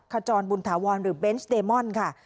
ขจรบุญถาวรหรือเบนส์เดมอนค่ะ